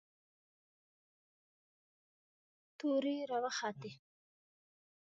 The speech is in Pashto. تورې را وختې.